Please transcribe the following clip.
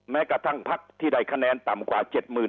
แม้กระทั่งพักที่ได้คะแนนต่ำกว่า๗๐๐